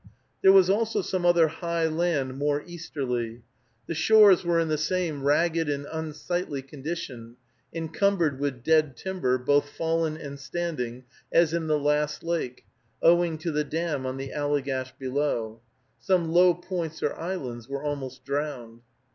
There was also some other high land more easterly. The shores were in the same ragged and unsightly condition, encumbered with dead timber, both fallen and standing, as in the last lake, owing to the dam on the Allegash below. Some low points or islands were almost drowned.